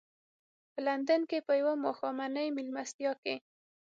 په لندن کې په یوه ماښامنۍ مېلمستیا کې.